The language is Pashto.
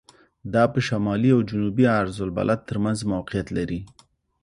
دا په شمالي او جنوبي عرض البلد تر منځ موقعیت لري.